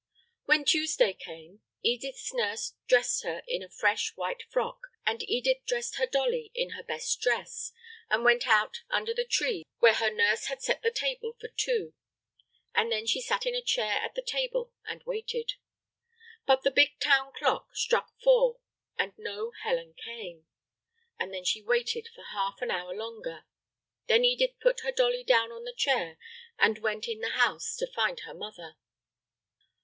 When Tuesday came, Edith's nurse dressed her in a fresh, white frock, and Edith dressed her dolly in her best dress, and went out under the trees where her nurse had set the table for two. And then she sat in a chair at the table and waited. But the big town clock struck four and no Helen came; and then she waited for half an hour longer. Then Edith put her dolly down on the chair and went in the house to find her mother.